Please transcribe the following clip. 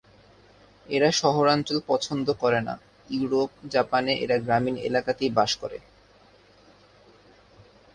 এরা শহরাঞ্চল পছন্দ করে না, ইউরোপ, জাপানে এরা গ্রামীণ এলাকাতেই বাস করে।